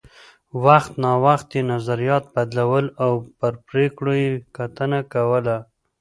وخت نا وخت یې نظریات بدلول او پر پرېکړو یې کتنه کوله